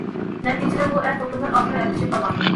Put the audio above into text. نەتىجىدە، بۇ ئەر- خوتۇنلار ئاخىرى ئەپلىشىپ قالغان.